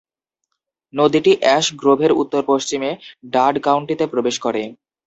নদীটি অ্যাশ গ্রোভের উত্তর-পশ্চিমে ডাড কাউন্টিতে প্রবেশ করে।